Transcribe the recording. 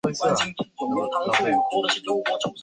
米尔维勒。